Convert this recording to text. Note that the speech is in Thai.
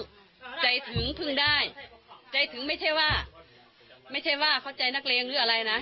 ใจถึงพึ่งได้ใจถึงไม่ใช่ว่าไม่ใช่ว่าเข้าใจนักเลงหรืออะไรนะ